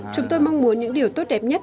chúng tôi mong muốn những điều tốt đẹp nhất